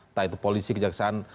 entah itu polisi kejaksaan